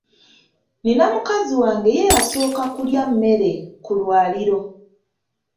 Nnina mukazi wange ye asooka okulya emmere ku lwaliiro.